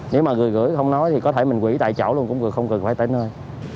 nếu mà gửi không nói thì có thể mình gửi tại chỗ luôn cũng không cần phải tới nơi